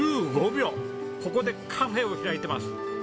ここでカフェを開いてます。